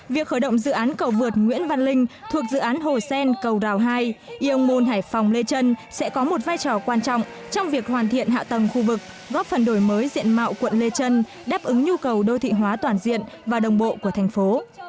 việc khởi động dự án cầu vượt nguyễn văn linh thuộc dự án hồ sen cầu rào hai yong môn hải phòng lê trân sẽ có một vai trò quan trọng trong việc hoàn thiện hạ tầng khu vực góp phần đổi mới diện mạo quận lê trân đáp ứng nhu cầu đô thị hóa toàn diện và đồng bộ của thành phố